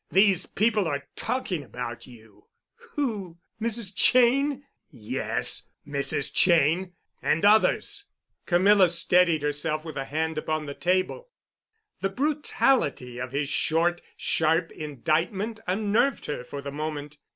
These people are talking about you." "Who? Mrs. Cheyne?" "Yes, Mrs. Cheyne—and others." Camilla steadied herself with a hand upon the table. The brutality of his short, sharp indictment unnerved her for the moment.